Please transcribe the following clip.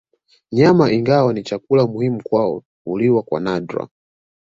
Nyama ingawa ni chakula muhimu kwao huliwa kwa nadra